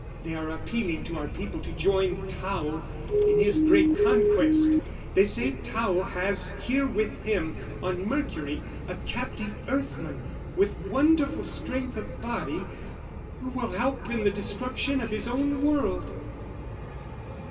They are appealing to our people to join Tao in his great conquest. They say Tao has here with him, on Mercury, a captive earthman, with wonderful strength of body, who will help in the destruction of his own world!"